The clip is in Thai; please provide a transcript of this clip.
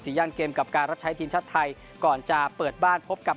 ย่านเกมกับการรับใช้ทีมชาติไทยก่อนจะเปิดบ้านพบกับ